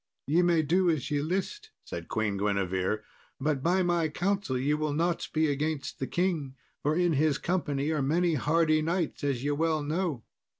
"Ye may do as ye list," said Queen Guinevere; "but by my counsel ye will not be against the king, for in his company are many hardy knights, as ye well know."